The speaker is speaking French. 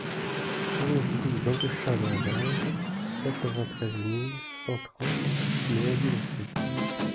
onze rue Danquechin Dorval, quatre-vingt-treize mille cent trente Noisy-le-Sec